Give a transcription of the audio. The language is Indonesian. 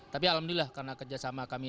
tapi alhamdulillah karena kerjasama kami